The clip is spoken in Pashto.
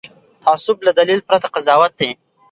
تعصب له دلیل پرته قضاوت دی